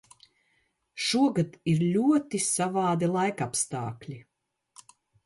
Šogad ir ļoti savādi laikapstākļi.